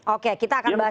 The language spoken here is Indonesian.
oke kita akan bahas itu